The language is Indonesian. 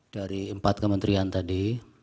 dari empat kementerian tadi